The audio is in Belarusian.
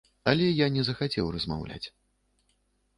Але я не захацеў размаўляць.